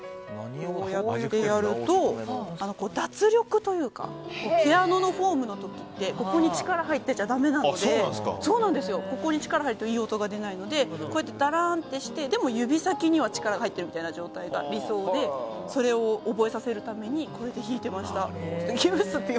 こうやってやると脱力というかピアノのフォームの時って手首に力が入ってるとだめなので、ここに力が入るといい音が出ないのでだらんとして、でも指先には力が入っている状態が理想なのでそれを覚えさせるためにこれで弾いていました。